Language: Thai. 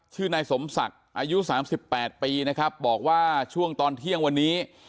นายสมศักดิ์อายุ๓๘ปีนะครับบอกว่าช่วงตอนเที่ยงวันนี้